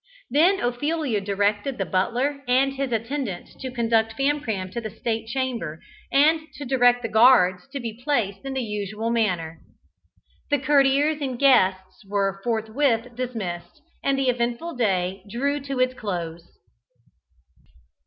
Then Ophelia directed the butler and his attendants to conduct Famcram to the state chamber, and to direct the guards to be placed in the usual manner. The courtiers and guests were forthwith dismissed, and the eventful day drew to its close.